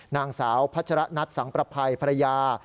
นางสาวพัชระนัทสังประภัยภรรยา